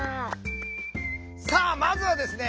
さあまずはですね